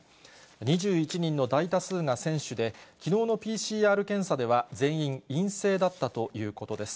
２１人の大多数が選手で、きのうのＰＣＲ検査では、全員陰性だったということです。